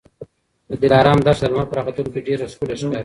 د دلارام دښته د لمر په راختلو کي ډېره ښکلې ښکاري.